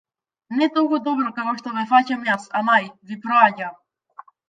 Не толку добро како што ве фаќам јас, ама ај, ви проаѓа.